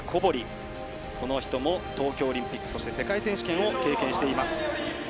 この人も東京オリンピックそして、世界選手権を経験しています。